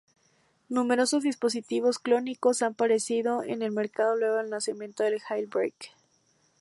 Numerosos dispositivos clónicos han aparecido en el mercado luego del lanzamiento del Jailbreak.